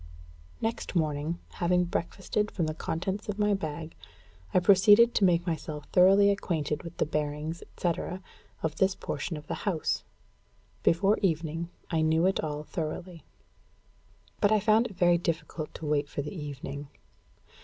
Next morning, having breakfasted from the contents of my bag, I proceeded to make myself thoroughly acquainted with the bearings, etc., of this portion of the house. Before evening, I knew it all thoroughly. But I found it very difficult to wait for the evening.